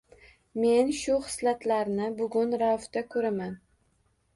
Men shu xislatlarni bugun Raufda ko’raman.